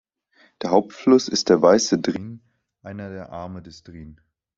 Der Hauptfluss ist der Weiße Drin, einer der Arme des Drin.